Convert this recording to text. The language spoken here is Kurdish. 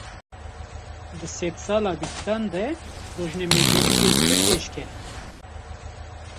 Di sedsala bîstan de, rojnamegerî bêhtir pêşket